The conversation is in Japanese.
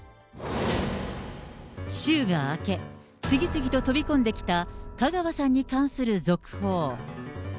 週が明け、次々と飛び込んできた香川さんに関する続報。